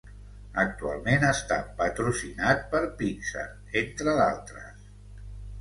Actualment està patrocinat per Pixar, entre d'altres.